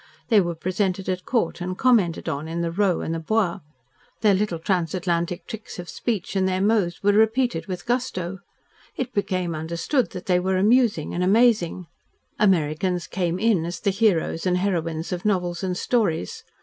They were presented at court and commented upon in the Row and the Bois. Their little transatlantic tricks of speech and their mots were repeated with gusto. It became understood that they were amusing and amazing. Americans "came in" as the heroes and heroines of novels and stories.